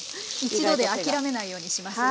一度で諦めないようにします。